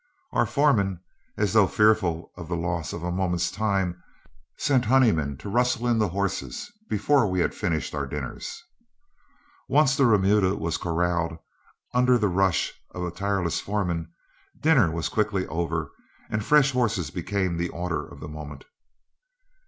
Our foreman, as though fearful of the loss of a moment's time, sent Honeyman to rustle in the horses before we had finished our dinners. Once the remuda was corralled, under the rush of a tireless foreman, dinner was quickly over, and fresh horses became the order of the moment.